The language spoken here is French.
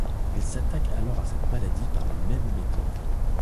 Il s’attaque alors à cette maladie par les mêmes méthodes.